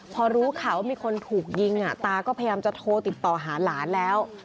พอรู้ข่าวว่ามีคนถูกยิงตาก็พยายามจะโทรติดต่อหาหลานแล้ว